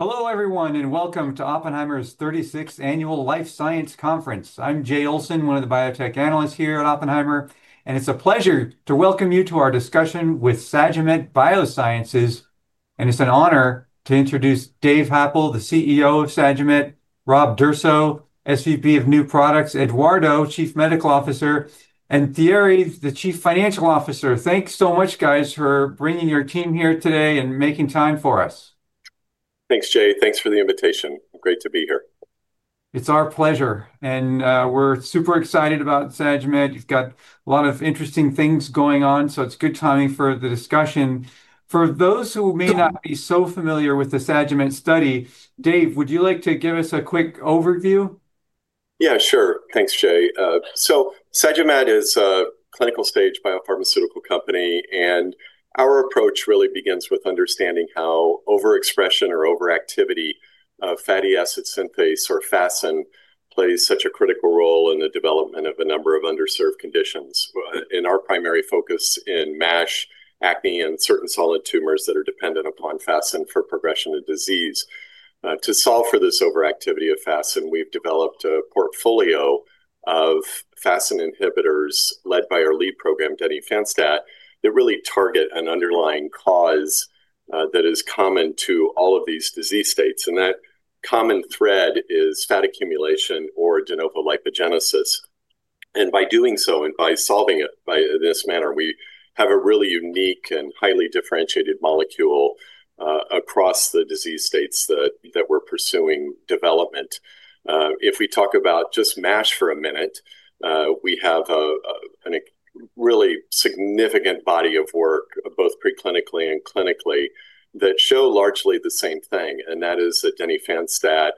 Hello, everyone, welcome to Oppenheimer's 36th Annual Healthcare Life Sciences Conference. I'm Jay Olson, one of the biotech analysts here at Oppenheimer. It's a pleasure to welcome you to our discussion with Sagimet Biosciences. It's an honor to introduce Dave Happel, the CEO of Sagimet, Rob D'Urso, SVP of New Products, Eduardo, Chief Medical Officer, and Thierry, the Chief Financial Officer. Thanks so much, guys, for bringing your team here today and making time for us. Thanks, Jay. Thanks for the invitation. Great to be here. It's our pleasure. We're super excited about Sagimet. You've got a lot of interesting things going on. It's good timing for the discussion. For those who may not be so familiar with the Sagimet study, Dave, would you like to give us a quick overview? Yeah, sure. Thanks, Jay. Sagimet is a clinical-stage biopharmaceutical company, and our approach really begins with understanding how overexpression or overactivity of fatty acid synthase, or FASN, plays such a critical role in the development of a number of underserved conditions. In our primary focus in MASH, acne, and certain solid tumors that are dependent upon FASN for progression of disease. To solve for this overactivity of FASN, we've developed a portfolio of FASN inhibitors led by our lead program, denifanstat, that really target an underlying cause, that is common to all of these disease states, and that common thread is fat accumulation or de novo lipogenesis. By doing so, and by solving it by this manner, we have a really unique and highly differentiated molecule, across the disease states that we're pursuing development. If we talk about just MASH for a minute, we have a really significant body of work, both preclinically and clinically, that show largely the same thing, and that is that denifanstat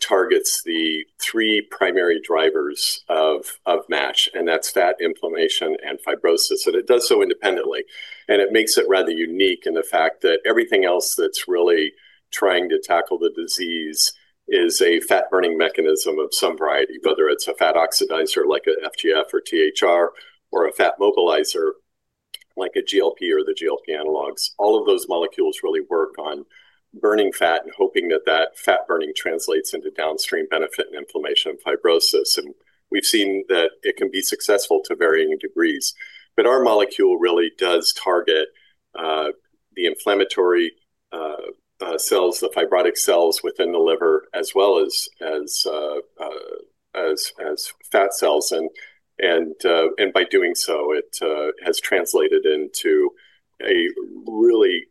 targets the three primary drivers of MASH, and that's fat, inflammation, and fibrosis, and it does so independently. It makes it rather unique in the fact that everything else that's really trying to tackle the disease is a fat-burning mechanism of some variety, whether it's a fat oxidizer, like a FGF or THR, or a fat mobilizer, like a GLP or the GLP analogs. All of those molecules really work on burning fat and hoping that that fat burning translates into downstream benefit and inflammation and fibrosis. We've seen that it can be successful to varying degrees. Our molecule really does target the inflammatory cells, the fibrotic cells within the liver, as well as fat cells. By doing so, it has translated into a really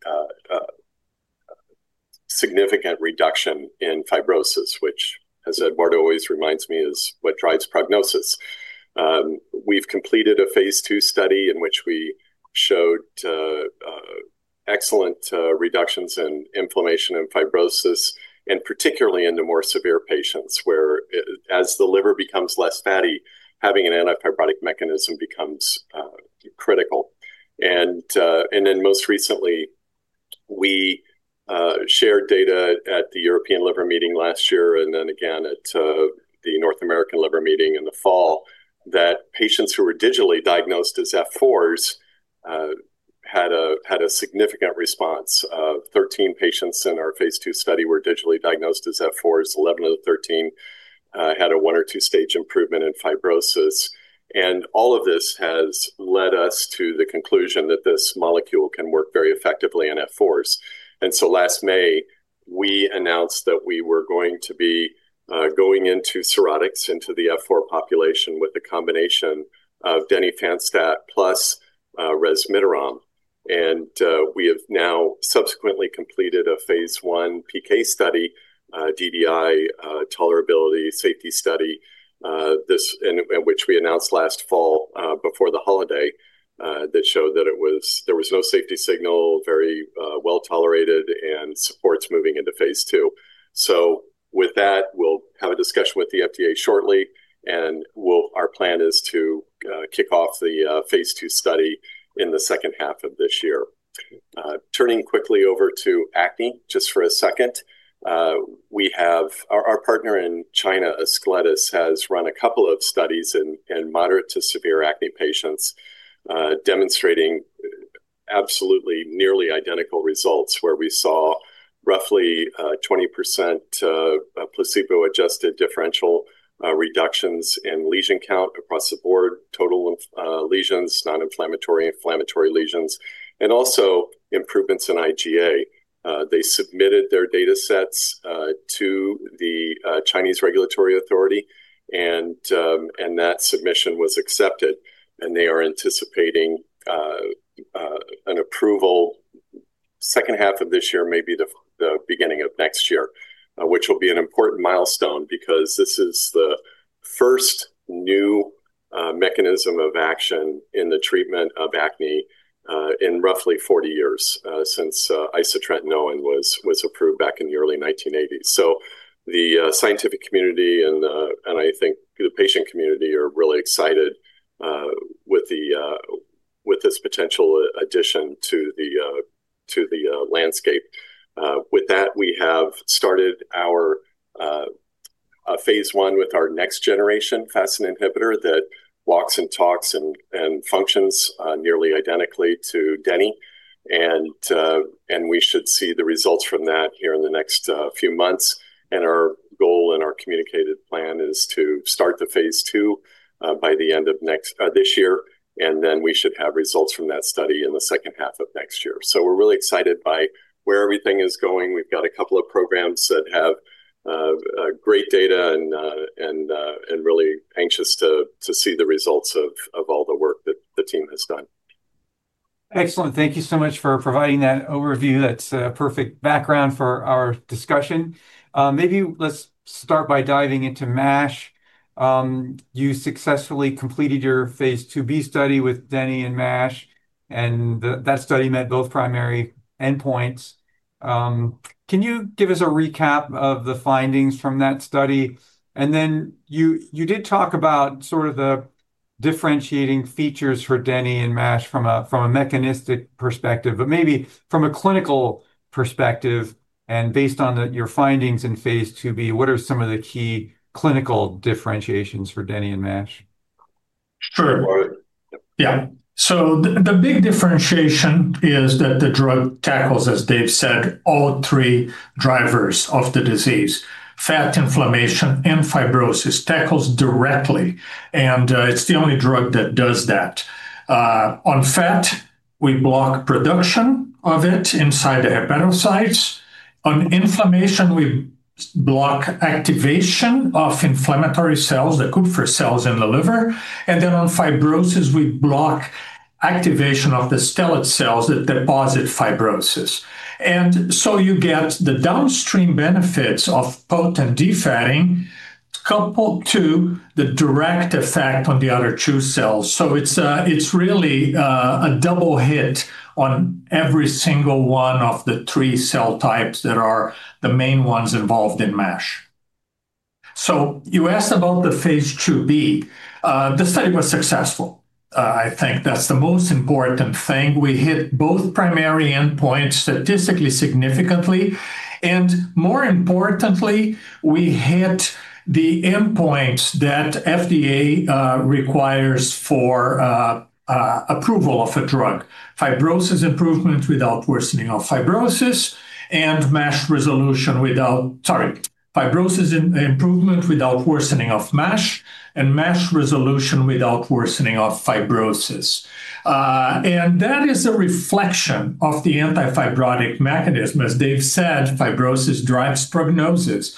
significant reduction in fibrosis, which, as Eduardo always reminds me, is what drives prognosis. We've completed a phase II study in which we showed excellent reductions in inflammation and fibrosis, and particularly in the more severe patients, where as the liver becomes less fatty, having an anti-fibrotic mechanism becomes critical. Most recently, we shared data at the International Liver Congress last year, and then again at The Liver Meeting in the fall, that patients who were digitally diagnosed as Fours had a significant response. 13 patients in our phase II study were digitally diagnosed as qF4. 11 out of 13 had a one- or two-stage improvement in fibrosis, all of this has led us to the conclusion that this molecule can work very effectively in qF4. Last May, we announced that we were going to be going into cirrhotics into the qF4 population with a combination of denifanstat plus resmetirom. We have now subsequently completed a phase I PK study, DDI, tolerability, safety study, which we announced last fall before the holiday that showed there was no safety signal, very well-tolerated and supports moving into phase II. With that, our plan is to kick off the phase II study in the second half of this year. Turning quickly over to acne just for a second, Our partner in China, Ascletis, has run a couple of studies in moderate to severe acne patients, demonstrating absolutely nearly identical results, where we saw roughly 20% placebo-adjusted differential reductions in lesion count across the board, total lesions, non-inflammatory, inflammatory lesions, and also improvements in IGA. They submitted their datasets to the Chinese regulatory authority, and that submission was accepted. They are anticipating an approval second half of this year, maybe the beginning of next year, which will be an important milestone because this is the first new mechanism of action in the treatment of acne in roughly 40 years, since isotretinoin was approved back in the early 1980s. The scientific community and I think the patient community are really excited with this potential addition to the landscape. With that, we have started our phase I with our next generation FASN inhibitor that walks and talks and functions nearly identically to Denny. We should see the results from that here in the next few months. Our goal and our communicated plan is to start the phase II by the end of next this year, and then we should have results from that study in the second half of next year. We're really excited by where everything is going. We've got a couple of programs that have great data, and really anxious to see the results of all the work that the team has done. Excellent. Thank you so much for providing that overview. That's a perfect background for our discussion. Maybe let's start by diving into MASH. You successfully completed your phase II-B study with Denny in MASH, and that study met both primary endpoints. Can you give us a recap of the findings from that study? Then you did talk about sort of the differentiating features for Denny in MASH from a, from a mechanistic perspective, but maybe from a clinical perspective, and based on your findings in phase II-B, what are some of the key clinical differentiations for Denny in MASH? Sure. Yeah. The big differentiation is that the drug tackles, as Dave said, all three drivers of the disease: fat, inflammation, and fibrosis. Tackles directly, and it's the only drug that does that. On fat, we block production of it inside the hepatocytes. On inflammation, we block activation of inflammatory cells, the Kupffer cells in the liver. Then on fibrosis, we block activation of the stellate cells that deposit fibrosis. You get the downstream benefits of potent defatting, coupled to the direct effect on the other two cells. It's really a double hit on every single one of the three cell types that are the main ones involved in MASH. You asked about the phase II-B. The study was successful. I think that's the most important thing. We hit both primary endpoints statistically significantly. More importantly, we hit the endpoint that FDA requires for approval of a drug. Fibrosis improvement without worsening of MASH, and MASH resolution without worsening of fibrosis. That is a reflection of the anti-fibrotic mechanism. As Dave said, fibrosis drives prognosis.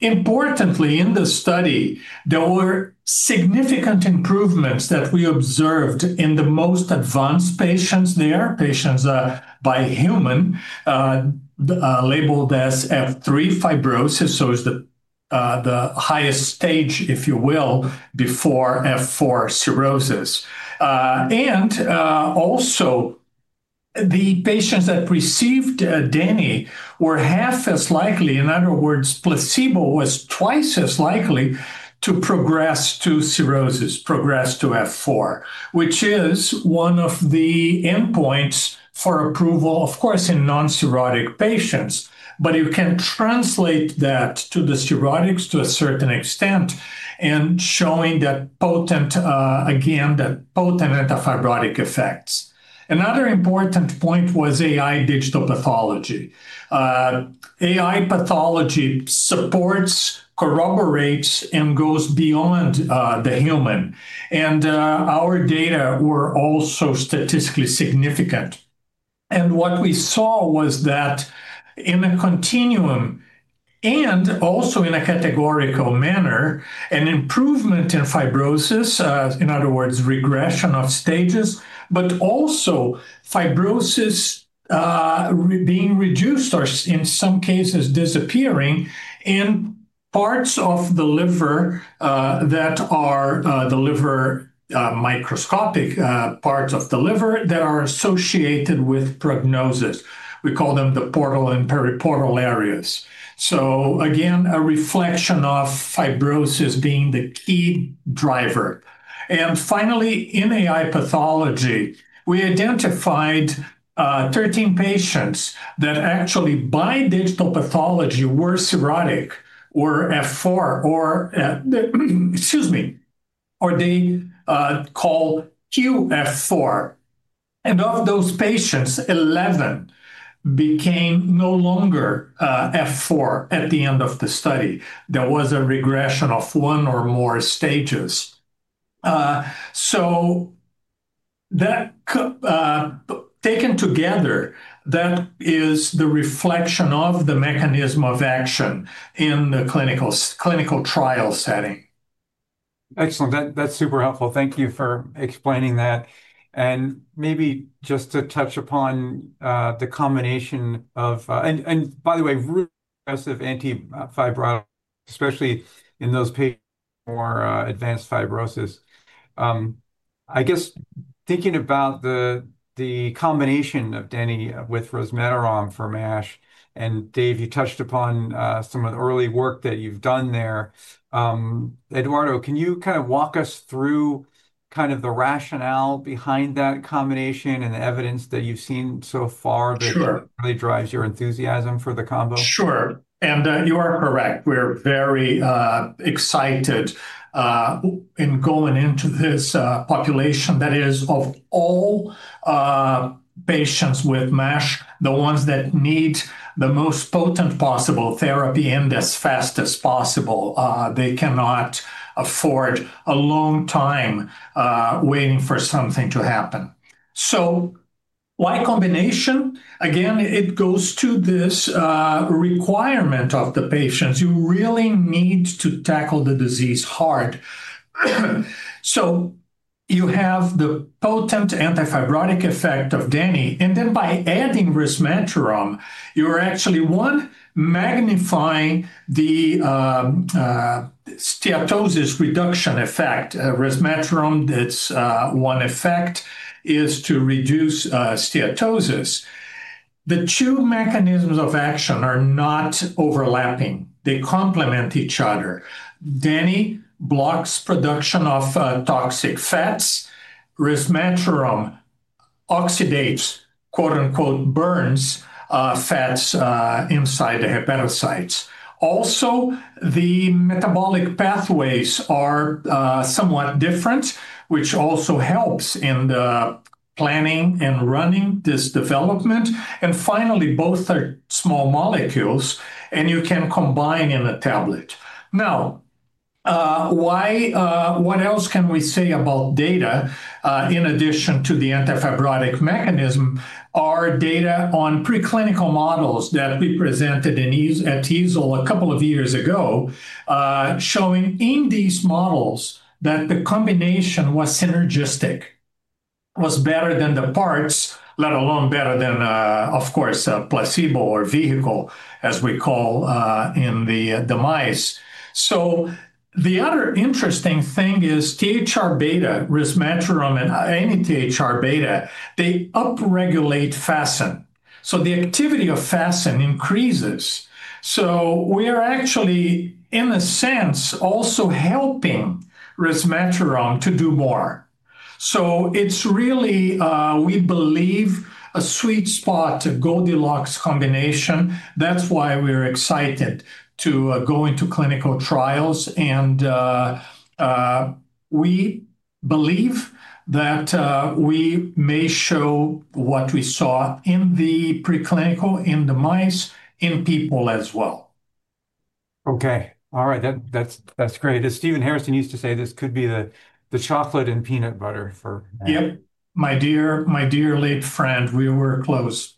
Importantly, in the study, there were significant improvements that we observed in the most advanced patients there. Patients by human labeled as F3 fibrosis is the highest stage, if you will, before F4 cirrhosis. Also, the patients that received Denny were half as likely, in other words, placebo was twice as likely to progress to cirrhosis, progress to F4, which is one of the endpoints for approval, of course, in non-cirrhotic patients. You can translate that to the cirrhotics to a certain extent, and showing that potent, again, that potent anti-fibrotic effects. Another important point was AI digital pathology. AI pathology supports, corroborates, and goes beyond the human. Our data were also statistically significant. What we saw was that in a continuum, and also in a categorical manner, an improvement in fibrosis, in other words, regression of stages, but also fibrosis being reduced, or in some cases, disappearing in parts of the liver that are the liver microscopic parts of the liver that are associated with prognosis. We call them the portal and periportal areas. Again, a reflection of fibrosis being the key driver. Finally, in AI pathology, we identified, 13 patients that actually, by digital pathology, were cirrhotic, or F4, or, excuse me, or they call qF4. Of those patients, 11 became no longer F4 at the end of the study. There was a regression of one or more stages. That taken together, that is the reflection of the mechanism of action in the clinical trial setting. Excellent. That's super helpful. Thank you for explaining that. Maybe just to touch upon the combination of... By the way, really aggressive anti-fibrotic, especially in those patients with more advanced fibrosis. Thinking about the combination of Denny with resmetirom for MASH, and Dave, you touched upon some of the early work that you've done there. Eduardo, can you kind of walk us through kind of the rationale behind that combination and the evidence that you've seen so far- Sure. that really drives your enthusiasm for the combo? Sure. You are correct. We're very excited in going into this population. That is, of all patients with MASH, the ones that need the most potent possible therapy and as fast as possible, they cannot afford a long time waiting for something to happen. Why combination? Again, it goes to this requirement of the patients. You really need to tackle the disease hard. You have the potent anti-fibrotic effect of Denny, and then by adding resmetirom, you are actually, one, magnifying the steatosis reduction effect. Resmetirom, that's one effect is to reduce steatosis. The two mechanisms of action are not overlapping. They complement each other. Denny blocks production of toxic fats. Resmetirom oxidates, quote-unquote, "burns," fats inside the hepatocytes. The metabolic pathways are somewhat different, which also helps in the planning and running this development. Finally, both are small molecules, and you can combine in a tablet. What else can we say about data in addition to the anti-fibrotic mechanism? Our data on preclinical models that we presented at EASL a couple of years ago, showing in these models that the combination was synergistic. It was better than the parts, let alone better than, of course, a placebo or vehicle, as we call in the mice. The other interesting thing is THR-β, resmetirom and any THR-β, they upregulate FASN, so the activity of FASN increases. We are actually, in a sense, also helping resmetirom to do more. It's really, we believe, a sweet spot to Goldilocks combination. That's why we're excited to go into clinical trials, and we believe that we may show what we saw in the preclinical, in the mice, in people as well. Okay. All right, that's great. As Stephen Harrison used to say, this could be the chocolate and peanut butter. Yep. My dear, my dear late friend, we were close.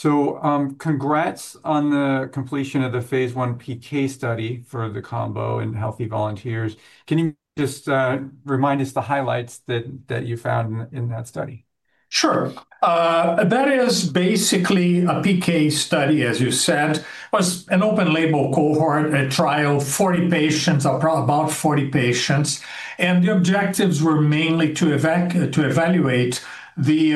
Congrats on the completion of the phase I PK study for the combo in healthy volunteers. Can you just remind us the highlights that you found in that study? Sure. That is basically a PK study, as you said, was an open-label cohort, a trial, about 40 patients. The objectives were mainly to evaluate the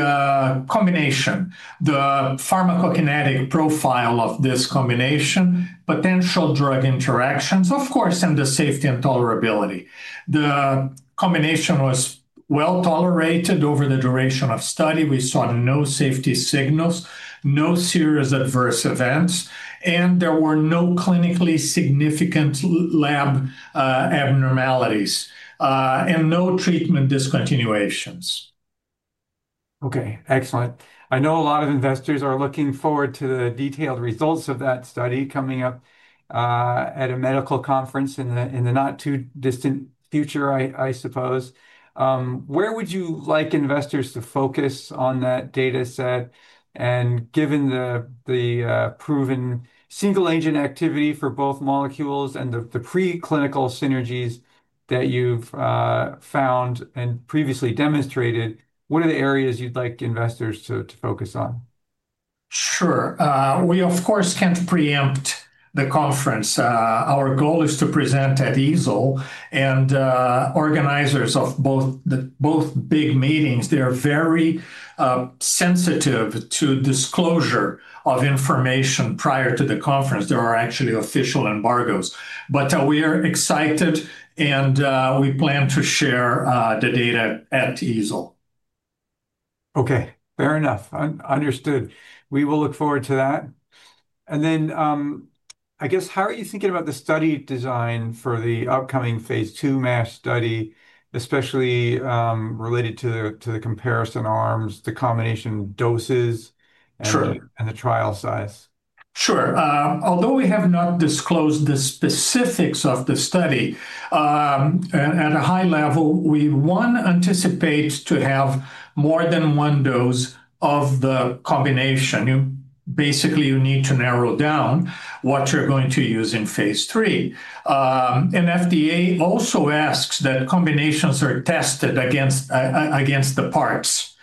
combination, the pharmacokinetic profile of this combination, potential drug interactions, of course, and the safety and tolerability. The combination was well-tolerated over the duration of study. We saw no safety signals, no serious adverse events, and there were no clinically significant lab abnormalities, and no treatment discontinuations. Okay, excellent. I know a lot of investors are looking forward to the detailed results of that study coming up, at a medical conference in the not-too-distant future, I suppose. Where would you like investors to focus on that data set? Given the proven single-agent activity for both molecules and the preclinical synergies that you've found and previously demonstrated, what are the areas you'd like investors to focus on? Sure. We, of course, can't preempt the conference. Organizers of both big meetings, they are very sensitive to disclosure of information prior to the conference. There are actually official embargoes. We are excited, and we plan to share the data at EASL. Okay, fair enough. Understood. We will look forward to that. I guess, how are you thinking about the study design for the upcoming phase II MASH study, especially, related to the comparison arms, the combination doses... Sure... and the trial size? Sure. Although we have not disclosed the specifics of the study, at a high level, we, one, anticipate to have more than one dose of the combination. Basically, you need to narrow down what you're going to use in phase III. FDA also asks that combinations are tested against the parts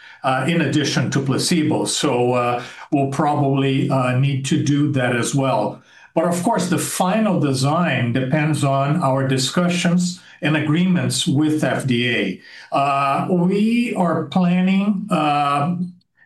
in addition to placebo. We'll probably need to do that as well. Of course, the final design depends on our discussions and agreements with FDA. We are planning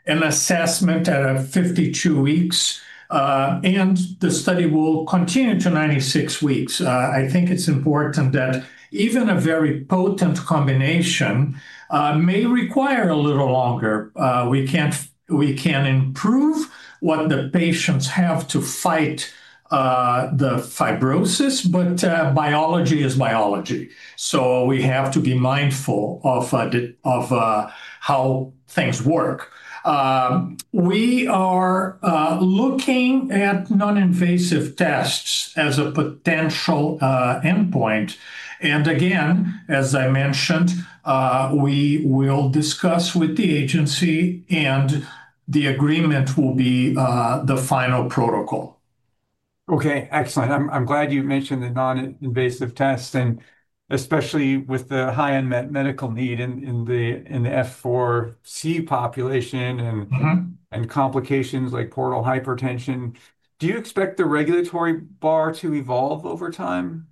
an assessment at 52 weeks, and the study will continue to 96 weeks. I think it's important that even a very potent combination may require a little longer. We can improve what the patients have to fight, the fibrosis, but biology is biology, so we have to be mindful of the, of how things work. We are looking at non-invasive tests as a potential endpoint. Again, as I mentioned, we will discuss with the agency, and the agreement will be the final protocol. Okay, excellent. I'm glad you mentioned the non-invasive test, and especially with the high-end medical need in the, in the qF4 population. Mm-hmm. complications like portal hypertension. Do you expect the regulatory bar to evolve over time?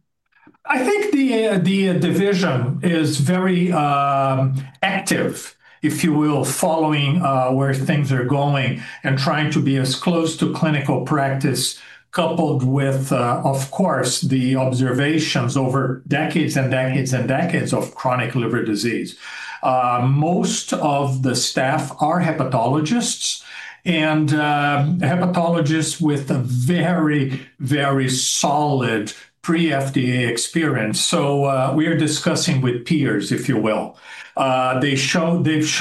I think the division is very active, if you will, following where things are going and trying to be as close to clinical practice, coupled with of course, the observations over decades and decades of chronic liver disease. Most of the staff are hepatologists and hepatologists with a very solid pre-FDA experience. We are discussing with peers, if you will. They've shown this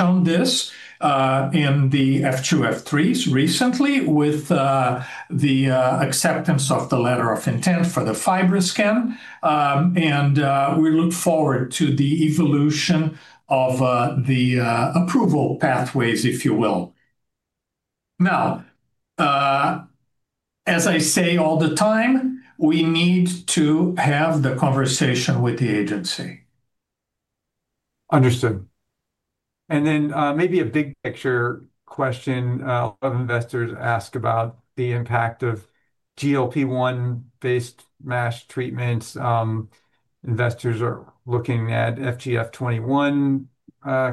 in the F2, F3s recently with the acceptance of the Letter of Intent for the FibroScan. We look forward to the evolution of the approval pathways, if you will. Now, as I say all the time, we need to have the conversation with the agency. Understood. Then, maybe a big picture question, a lot of investors ask about the impact of GLP-1 based MASH treatments. Investors are looking at FGF21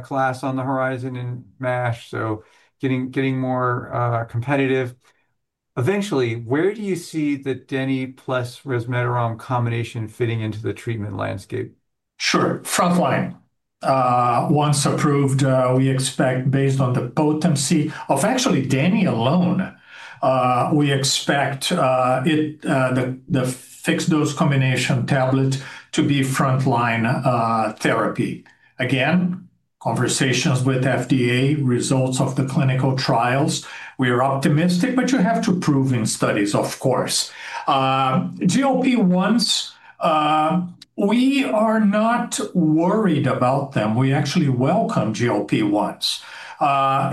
class on the horizon in MASH, so getting more competitive. Eventually, where do you see the Denny plus resmetirom combination fitting into the treatment landscape? Sure. Frontline. Once approved, we expect, based on the potency of actually Denny alone, we expect, it, the fixed-dose combination tablet to be frontline, therapy. Again, conversations with FDA, results of the clinical trials. We are optimistic, but you have to prove in studies, of course. GLP-1s, we are not worried about them. We actually welcome GLP-1s.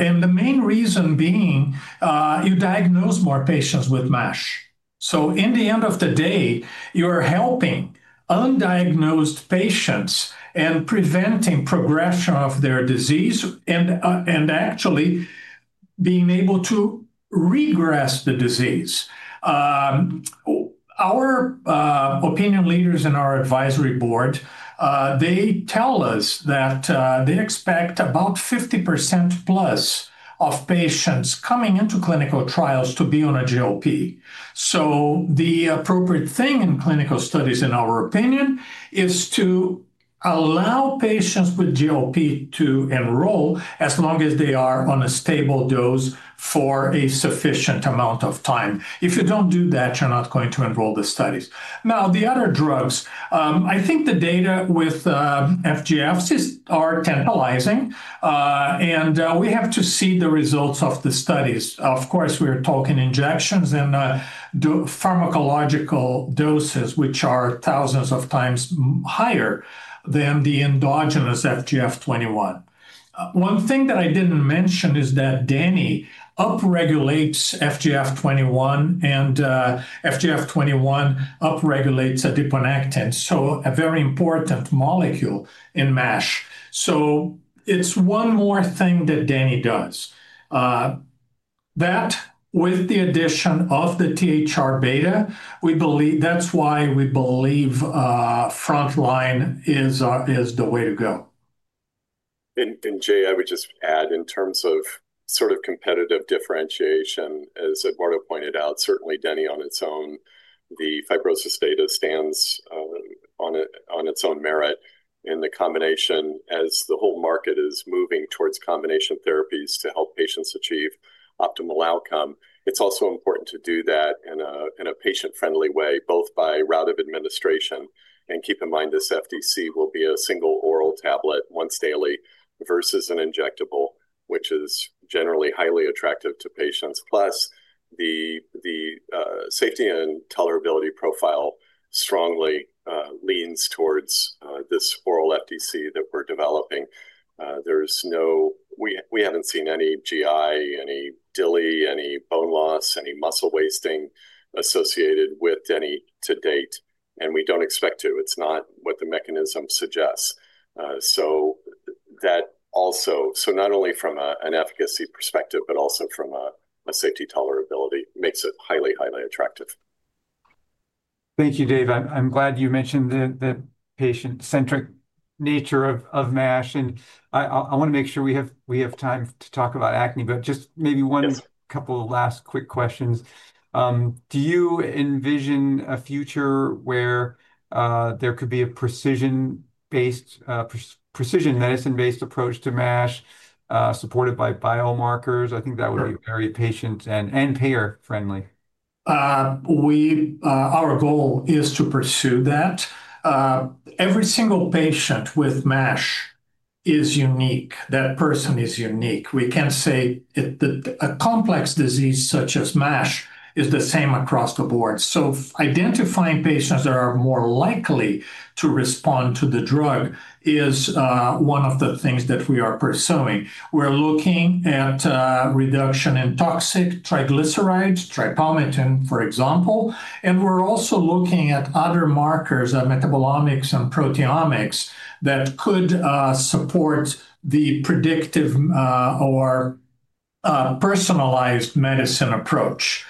The main reason being, you diagnose more patients with MASH. In the end of the day, you are helping undiagnosed patients and preventing progression of their disease and actually being able to regress the disease. Our opinion leaders in our advisory board, they tell us that, they expect about 50% plus of patients coming into clinical trials to be on a GLP. The appropriate thing in clinical studies, in our opinion, is to allow patients with GLP to enroll as long as they are on a stable dose for a sufficient amount of time. The other drugs, I think the data with FGFs are tantalizing, and we have to see the results of the studies. Of course, we are talking injections and do pharmacological doses, which are thousands of times higher than the endogenous FGF21. One thing that I didn't mention is that Denny upregulates FGF21, and FGF21 upregulates adiponectin, so a very important molecule in MASH. It's one more thing that Denny does. That, with the addition of the THR-β, that's why we believe frontline is the way to go. Jay, I would just add, in terms of sort of competitive differentiation, as Eduardo pointed out, certainly Denny on its own, the fibrosis data stands on its own merit. The combination, as the whole market is moving towards combination therapies to help patients achieve optimal outcome, it's also important to do that in a patient-friendly way, both by route of administration. Keep in mind, this FDC will be a single oral tablet once daily versus an injectable, which is generally highly attractive to patients. Plus, the safety and tolerability profile strongly leans towards this oral FDC that we're developing. We haven't seen any GI, any DILI, any bone loss, any muscle wasting associated with any to date. We don't expect to. It's not what the mechanism suggests. Not only from an efficacy perspective, but also from a safety tolerability, makes it highly attractive. Thank you, Dave. I'm glad you mentioned the patient-centric nature of MASH, I wanna make sure we have time to talk about acne. Yes. Couple of last quick questions. Do you envision a future where there could be a precision-based, precision medicine-based approach to MASH supported by biomarkers? Sure. I think that would be very patient and payer-friendly. We, our goal is to pursue that. Every single patient with MASH is unique. That person is unique. We can't say that a complex disease such as MASH is the same across the board. Identifying patients that are more likely to respond to the drug is one of the things that we are pursuing. We're looking at reduction in toxic triglycerides, tripalmitin, for example, and we're also looking at other markers of metabolomics and proteomics that could support the predictive or personalized medicine approach.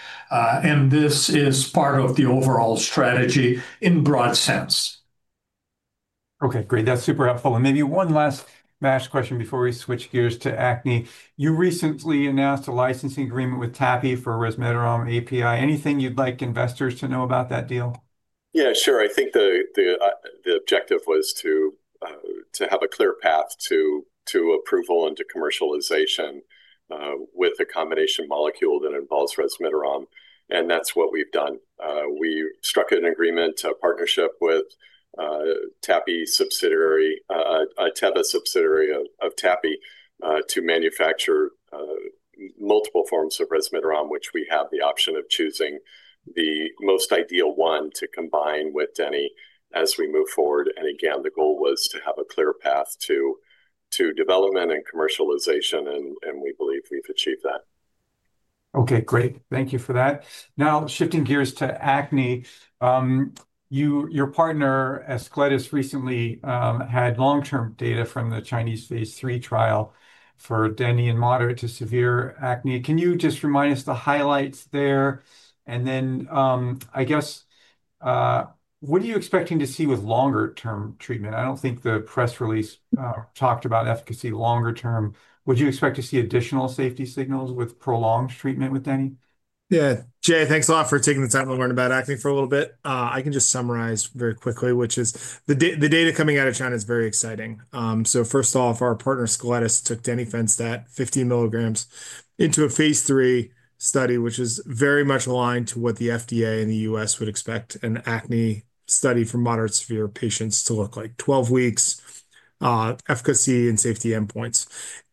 This is part of the overall strategy in broad sense. Okay, great. That's super helpful. Maybe one last MASH question before we switch gears to acne. You recently announced a licensing agreement with TAPI for resmetirom API. Anything you'd like investors to know about that deal? Yeah, sure. I think the objective was to have a clear path to approval and to commercialization with a combination molecule that involves resmetirom, and that's what we've done. We struck an agreement, a partnership with TAPI subsidiary Teva subsidiary of TAPI to manufacture multiple forms of resmetirom, which we have the option of choosing the most ideal one to combine with Denny as we move forward. Again, the goal was to have a clear path to development and commercialization, and we believe we've achieved that. Okay, great. Thank you for that. Now, shifting gears to acne, your partner, Ascletis, recently had long-term data from the Chinese phase III trial for Denny in moderate to severe acne. Can you just remind us the highlights there? I guess, what are you expecting to see with longer term treatment? I don't think the press release talked about efficacy longer term. Would you expect to see additional safety signals with prolonged treatment with Denny? Yeah. Jay, thanks a lot for taking the time to learn about acne for a little bit. I can just summarize very quickly, which is the data coming out of China is very exciting. First off, our partner, Ascletis, took denifanstat 50 mg into a phase III study, which is very much aligned to what the FDA in the U.S. would expect an acne study for moderate to severe patients to look like. 12 weeks, efficacy and safety endpoints.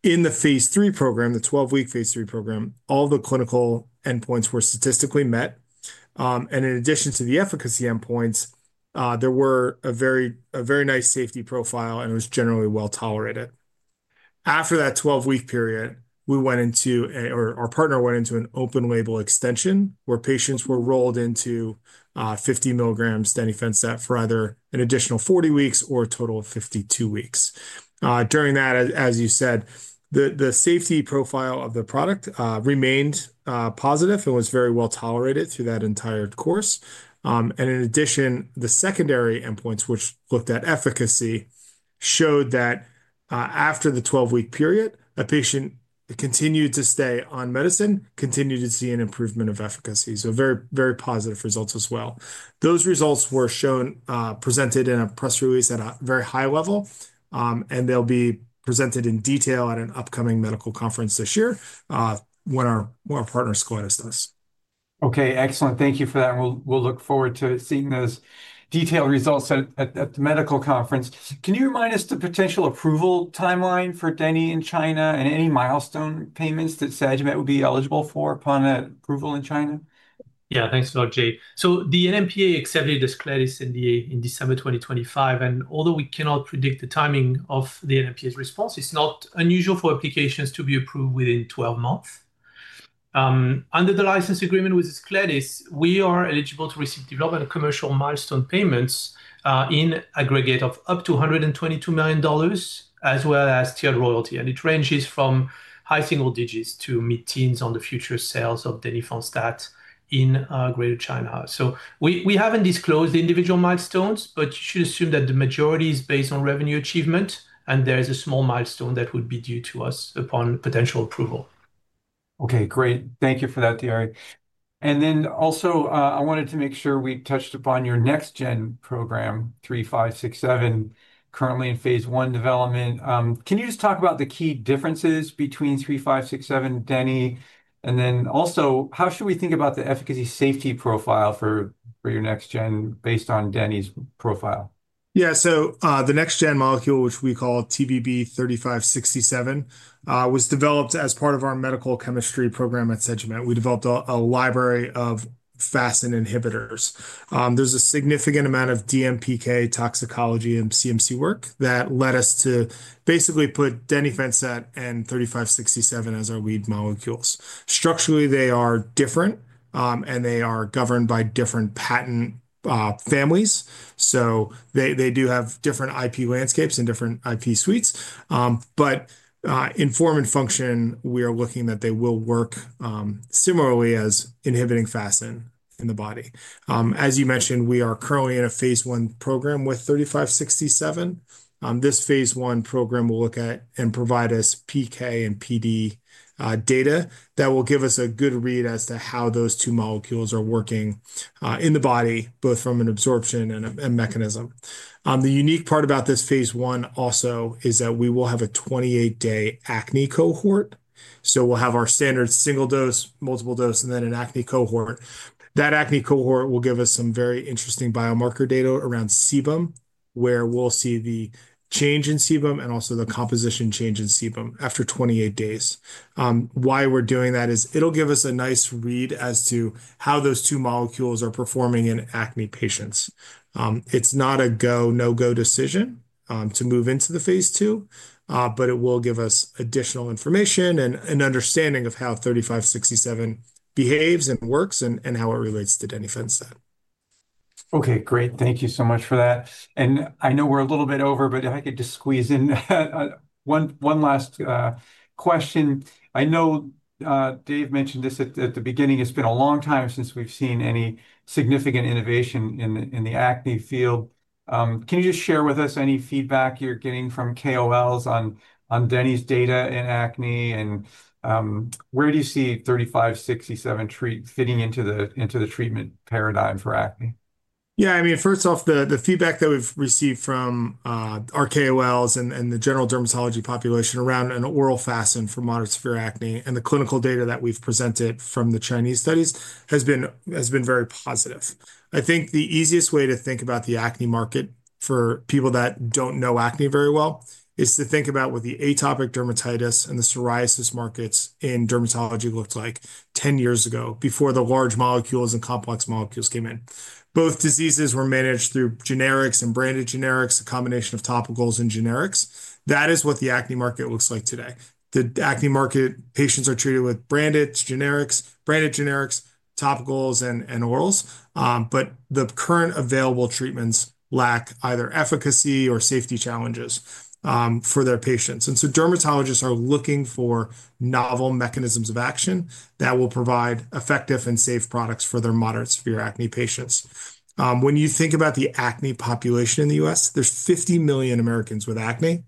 In the phase III program, the 12-week phase III program, all the clinical endpoints were statistically met. In addition to the efficacy endpoints, there were a very nice safety profile, and it was generally well tolerated. After that 12-week period, we went into a... Our partner went into an open label extension, where patients were rolled into, 50 mg denifanstat for either an additional 40 weeks or a total of 52 weeks. During that, as you said, the safety profile of the product, remained positive and was very well tolerated through that entire course. In addition, the secondary endpoints, which looked at efficacy, showed that, after the 12-week period, a patient continued to stay on medicine, continued to see an improvement of efficacy. Very, very positive results as well. Those results were shown, presented in a press release at a very high level, and they'll be presented in detail at an upcoming medical conference this year, when our partner Ascletis does. Okay, excellent. Thank you for that. We'll look forward to seeing those detailed results at the medical conference. Can you remind us the potential approval timeline for Denny in China and any milestone payments that Sagimet would be eligible for upon approval in China? Thanks a lot, Jay. The NMPA accepted Ascletis NDA in December 2025, although we cannot predict the timing of the NMPA's response, it's not unusual for applications to be approved within 12 months. Under the license agreement with Ascletis, we are eligible to receive development and commercial milestone payments, in aggregate of up to $122 million, as well as tiered royalty. It ranges from high single digits to mid-teens on the future sales of denifanstat in Greater China. We haven't disclosed the individual milestones, but you should assume that the majority is based on revenue achievement, and there is a small milestone that would be due to us upon potential approval. Okay, great. Thank you for that, Thierry. I wanted to make sure we touched upon your next gen program, 3567, currently in phase I development. Can you just talk about the key differences between 3567, Denny? Also, how should we think about the efficacy safety profile for your next gen based on Denny's profile? Yeah. The next-gen molecule, which we call TVB-3567, was developed as part of our medical chemistry program at Sagimet. We developed a library of FASN inhibitors. There's a significant amount of DMPK, toxicology, and CMC work that led us to basically put denifanstat and 3567 as our lead molecules. Structurally, they are different, and they are governed by different patent families. So they do have different IP landscapes and different IP suites. But in form and function, we are looking that they will work similarly as inhibiting FASN in the body. As you mentioned, we are currently in a phase I program with 3567. This phase I program will look at and provide us PK and PD data that will give us a good read as to how those two molecules are working in the body, both from an absorption and a mechanism. The unique part about this phase I also is that we will have a 28-day acne cohort. We'll have our standard single dose, multiple dose, and then an acne cohort. That acne cohort will give us some very interesting biomarker data around sebum, where we'll see the change in sebum and also the composition change in sebum after 28 days. Why we're doing that is it'll give us a nice read as to how those two molecules are performing in acne patients. It's not a go, no-go decision, to move into the phase II, but it will give us additional information and an understanding of how 3567 behaves and works, and how it relates to denifanstat. Okay, great. Thank you so much for that. I know we're a little bit over, but if I could just squeeze in one last question. I know Dave mentioned this at the beginning. It's been a long time since we've seen any significant innovation in the acne field. Can you just share with us any feedback you're getting from KOLs on Denny's data in acne, and where do you see TVB-3567 fitting into the treatment paradigm for acne? First off, the feedback that we've received from our KOLs and the general dermatology population around an oral FASN for moderate severe acne, and the clinical data that we've presented from the Chinese studies has been very positive. I think the easiest way to think about the acne market for people that don't know acne very well, is to think about what the atopic dermatitis and the psoriasis markets in dermatology looked like 10 years ago, before the large molecules and complex molecules came in. Both diseases were managed through generics and branded generics, a combination of topicals and generics. That is what the acne market looks like today. The acne market patients are treated with branded generics, topicals, and orals. The current available treatments lack either efficacy or safety challenges for their patients. Dermatologists are looking for novel mechanisms of action that will provide effective and safe products for their moderate severe acne patients. When you think about the acne population in the U.S., there's 50 million Americans with acne.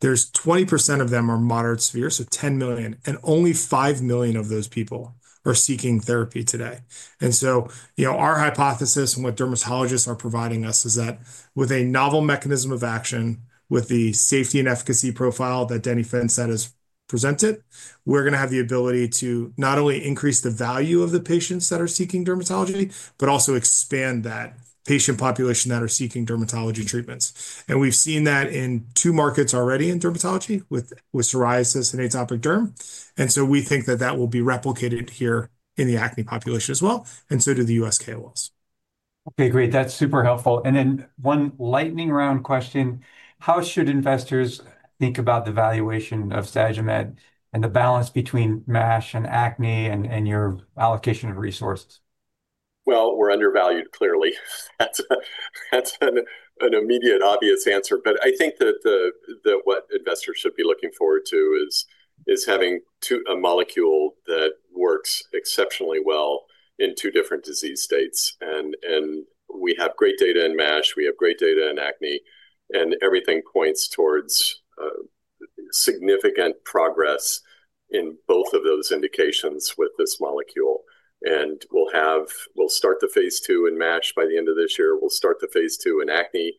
There's 20% of them are moderate severe, so 10 million, and only 5 million of those people are seeking therapy today. You know, our hypothesis and what dermatologists are providing us is that with a novel mechanism of action, with the safety and efficacy profile that denifanstat has presented, we're gonna have the ability to not only increase the value of the patients that are seeking dermatology, but also expand that patient population that are seeking dermatology treatments. We've seen that in two markets already in dermatology, with psoriasis and atopic derm. We think that that will be replicated here in the acne population as well, and so do the U.S. KOLs. Okay, great. That's super helpful. Then one lightning round question: How should investors think about the valuation of Sagimet and the balance between MASH and acne and your allocation of resources? Well, we're undervalued, clearly. That's an immediate, obvious answer. I think that what investors should be looking forward to is having a molecule that works exceptionally well in two different disease states. We have great data in MASH, we have great data in acne, and everything points towards significant progress in both of those indications with this molecule. We'll start the phase II in MASH by the end of this year. We'll start the phase II in acne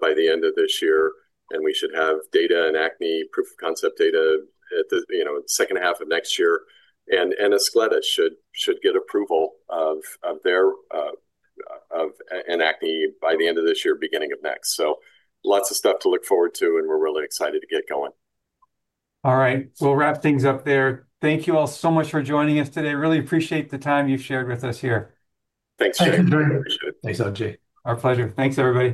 by the end of this year, and we should have data in acne, proof of concept data at the, you know, second half of next year. Ascletis should get approval of their in acne by the end of this year, beginning of next. Lots of stuff to look forward to, and we're really excited to get going. All right, we'll wrap things up there. Thank you all so much for joining us today. Really appreciate the time you've shared with us here. Thanks, Jay. Thank you. Thanks, Jay. Our pleasure. Thanks, everybody.